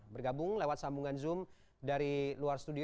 bergabung lewat sambungan zoom dari luar studio